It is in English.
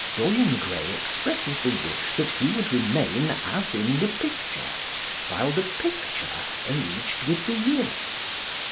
Dorian Gray expresses the wish that he would remain as in the picture, while the picture aged with the years.